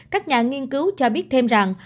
các nhà nghiên cứu cho biết thêm rằng